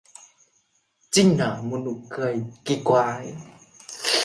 Chinh nở một nụ cười kỳ quái